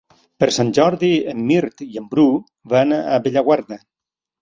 Per Sant Jordi en Mirt i en Bru van a Bellaguarda.